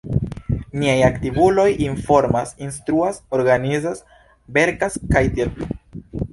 Niaj aktivuloj informas, instruas, organizas, verkas, kaj tiel plu.